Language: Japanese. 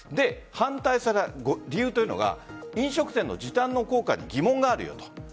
反対された理由というのが飲食店の時短の効果に疑問があるよと。